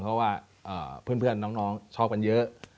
เพราะว่าเพื่อนน้องชอบกันเยอะ